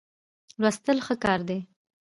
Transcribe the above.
لوستل ښه کار دی.